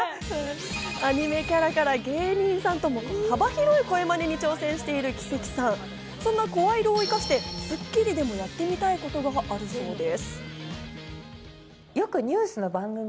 アニメキャラから芸人さんと幅広い声まねに挑戦している奇跡さん、そんな声色を生かして『スッキリ』でもやってみたいことがあるそうです。